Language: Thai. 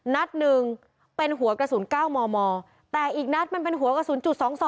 นัดหนึ่งเป็นหัวกระสุน๙มมแต่อีกนัดมันเป็นหัวกระสุนจุด๒๒